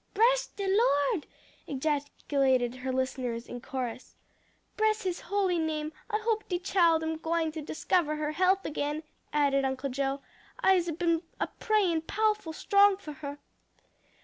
"Bress de Lord!" ejaculated her listeners in chorus. "Bress his holy name, I hope de chile am gwine to discover her health agin," added Uncle Joe. "I'se been a prayin' pow'ful strong for her."